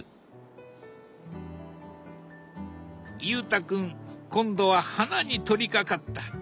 裕太君今度は花に取りかかった。